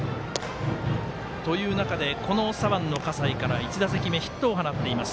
という中で左腕の葛西からヒットを放っています